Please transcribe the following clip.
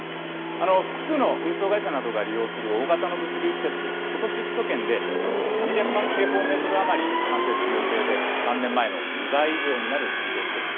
複数の運送会社などが利用する大型の物流施設、ことし、首都圏で３００万平方メートル余り完成する予定で、３年前の２倍以上になる見通しです。